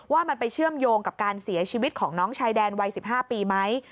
ว่ามันไปเชื่อมโยงกับการเสียชีวิตของน้องชายแดนวัย๑๕ปีไหม